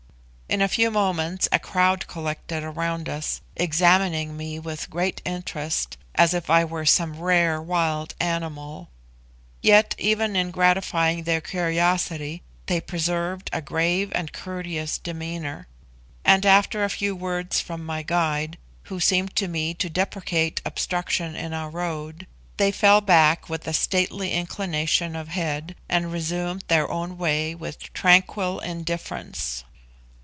In a few moments a crowd collected around us, examining me with great interest, as if I were some rare wild animal. Yet even in gratifying their curiosity they preserved a grave and courteous demeanour; and after a few words from my guide, who seemed to me to deprecate obstruction in our road, they fell back with a stately inclination of head, and resumed their own way with tranquil indifference.